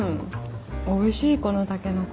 おいしいこのタケノコ。